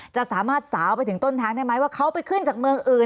จะสามารถสาวไปถึงต้นทางได้ไหมว่าเขาไปขึ้นจากเมืองอื่น